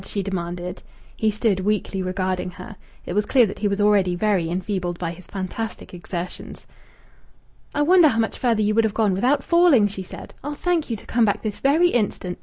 she demanded. He stood weakly regarding her. It was clear that he was already very enfeebled by his fantastic exertions. "I wonder how much farther you would have gone without falling!" she said. "I'll thank you to come back this very instant!...